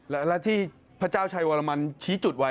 และที่พระเจ้าชัยวรมันชี้จุดไว้